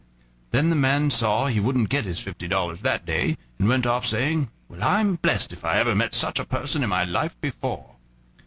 Then the man saw he wouldn't get his fifty dollars that day, and went off, saying: "Well, I'm blessed if I ever met such a person in my life before."